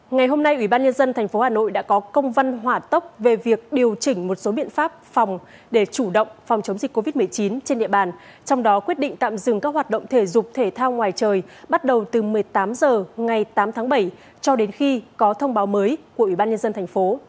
ngày hôm nay ủy ban nhân dân tp hà nội đã có công văn hỏa tốc về việc điều chỉnh một số biện pháp phòng để chủ động phòng chống dịch covid một mươi chín trên địa bàn trong đó quyết định tạm dừng các hoạt động thể dục thể thao ngoài trời bắt đầu từ một mươi tám h ngày tám tháng bảy cho đến khi có thông báo mới của ủy ban nhân dân thành phố